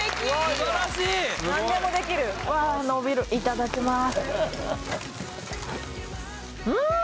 素晴らしい何でもできるわあ伸びるいただきます